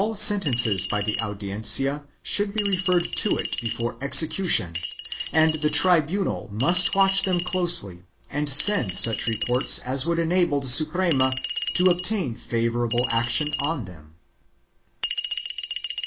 sentences by the Audiencia should be referred to it before execu tion and the tribunal must watch them closely and send such reports as would enable the Suprema to obtain favorable action on them.